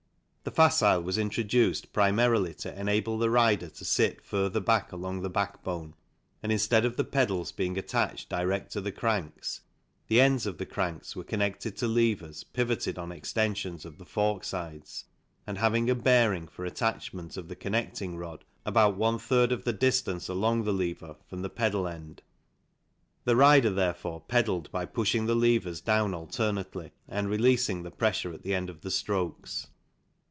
The Facile was introduced primarily to enable the rider to sit further back along the backbone, and, instead of the pedals being attached direct to the cranks, the ends of the cranks were connected to levers pivoted on extensions of the forksides and having a bearing for attachment of the connecting rod about one third of the distance along the lever from the pedal end. The rider, therefore, pedalled by pushing the levers down alternately and releasing the pressure at the end of the strokes.